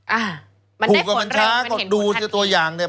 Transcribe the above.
อ่ามันได้ผลเร็วมันเห็นผลทันทีถูกกับมันช้าก็ดูที่ตัวอย่างเนี่ย